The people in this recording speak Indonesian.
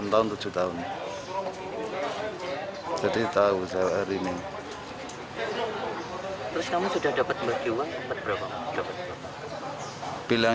enam tahun tujuh tahun jadi tahu saya hari ini terus kamu sudah dapat berjuang